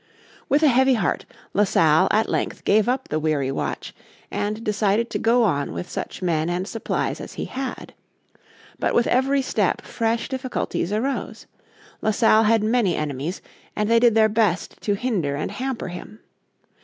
With a heavy heart La Salle at length gave up the weary watch, and decided to go on with such men and supplies as he had. But with every step fresh difficulties arose. La Salle had many enemies, and they did their best to hinder and hamper him.